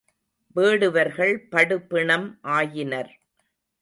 வேடுவர்கள் படு பிணம் ஆயினர்.